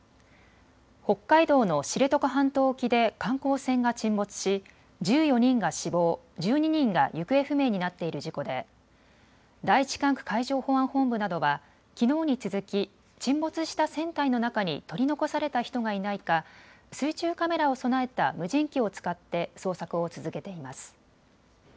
北海道の知床半島沖で観光船が沈没し１４人が死亡、１２人が行方不明になっている事故で第１管区海上保安本部などはきのうに続き沈没した船体の中に取り残された人がいないか水中カメラを備えた無人機を使って捜索を続けています。